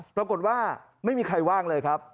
ปรากฏว่าไม่มีใครว่างเลยครับ